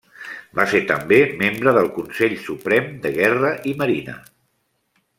Va ser també membre del Consell Suprem de Guerra i Marina.